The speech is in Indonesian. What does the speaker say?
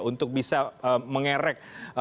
untuk bisa mengerek